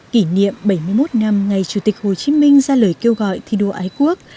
kỷ niệm bảy mươi một năm ngày chủ tịch hồ chí minh ra lời kêu gọi thi đua ái quốc